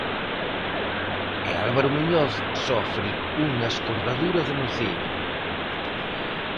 E Álvaro Muñoz sofre unha escordadura de nocello.